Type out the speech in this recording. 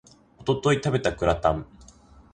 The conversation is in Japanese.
一昨日食べたグラタン